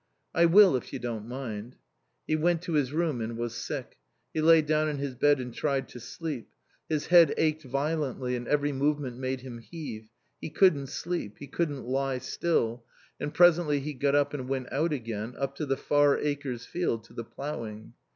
"I will if you don't mind." He went to his room and was sick. He lay down on his bed and tried to sleep. His head ached violently and every movement made him heave; he couldn't sleep; he couldn't lie still; and presently he got up and went out again, up to the Far Acres field to the ploughing.